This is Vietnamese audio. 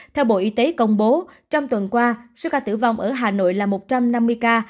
theo bộ y tế công bố trong tuần qua số ca tử vong ở hà nội là một trăm năm mươi ca